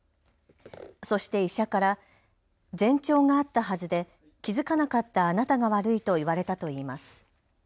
そして医者から前兆があったはずで気付かなかったあなたが悪いと言われたといいます。